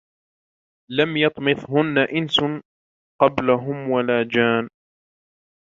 لَمْ يَطْمِثْهُنَّ إِنْسٌ قَبْلَهُمْ وَلَا جَانٌّ